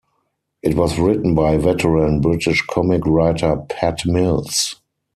It was written by veteran British comic writer Pat Mills.